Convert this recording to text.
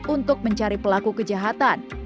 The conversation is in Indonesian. untuk mencari pelaku kejahatan